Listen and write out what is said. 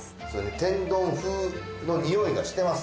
天丼風の匂いがしてます。